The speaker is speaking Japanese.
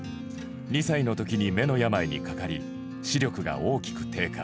２歳のときに目の病にかかり視力が大きく低下。